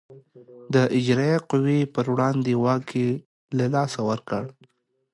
د اجرایه قوې پر وړاندې واک یې له لاسه ورکړ.